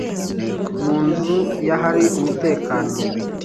Mu nzu ya hari umutekano.